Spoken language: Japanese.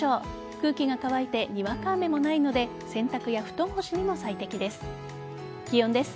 空気が乾いてにわか雨もないので洗濯や布団干しにも最適です。